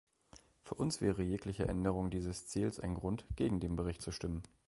Für uns wäre jegliche Änderung dieses Ziels ein Grund, gegen den Bericht zu stimmen.